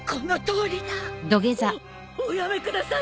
おおやめください